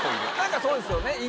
何かそうですよね